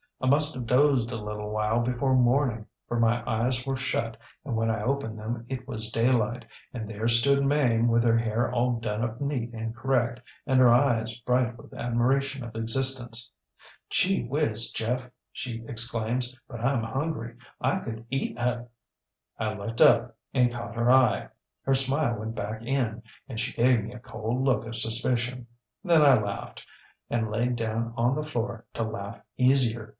ŌĆ£I must have dozed a little while before morning, for my eyes were shut, and when I opened them it was daylight, and there stood Mame with her hair all done up neat and correct, and her eyes bright with admiration of existence. ŌĆ£ŌĆśGee whiz, Jeff! ŌĆÖ she exclaims, ŌĆśbut IŌĆÖm hungry. I could eat aŌĆöŌĆÖ ŌĆ£I looked up and caught her eye. Her smile went back in and she gave me a cold look of suspicion. Then I laughed, and laid down on the floor to laugh easier.